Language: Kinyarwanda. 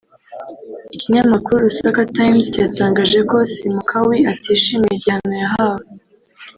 Ikinyamakuru Lusaka Times cyatangaje ko Simukawi atishimiye igihano yahawe